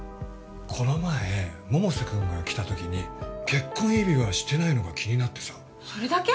この前百瀬くんが来た時に結婚指輪してないのが気になってさそれだけ？